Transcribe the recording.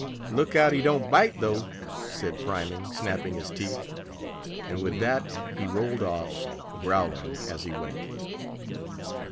"Look out he don't bite, though," said Priming, snapping his teeth; and with that he rolled off, growling as he went.